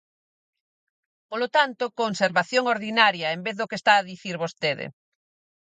Polo tanto, conservación ordinaria en vez do que está a dicir vostede.